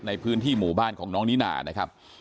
ในพื้นที่หมู่บ้านของน้องนิน่านะครับ